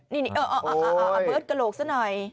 นี่เบิร์ตกระโหลกสักหน่อย